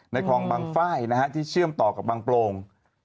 คลองบางไฟล์ที่เชื่อมต่อกับบางโปรง